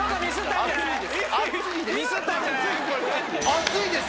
熱いです。